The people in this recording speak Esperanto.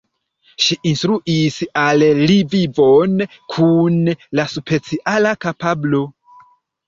Ŝi instruis al li vivon kun la speciala kapablo.